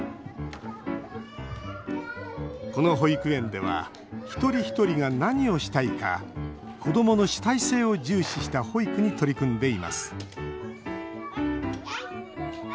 この保育園では一人一人が何をしたいか子どもの主体性を重視した保育に取り組んでいます。